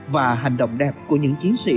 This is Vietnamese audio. và hành động đẹp của những chiến sĩ